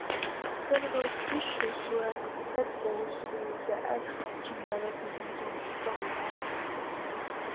Several species lack tadpoles, with the eggs hatching directly into froglets.